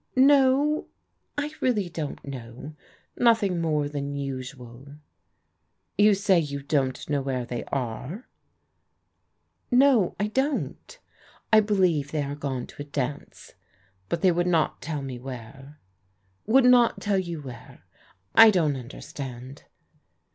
"No o — ^I really don't know. Nothing more than osdaL" " Yott say you don't know where they are? " 99 99 36 PRODIGAL DAUGHTERS " N09 1 don't I believe they are gone to a dance, but they would not tell me where." " Would not tell you where ? I don't understand.''